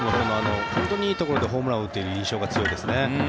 本当にいいところでホームランを打ってる印象が強いですね。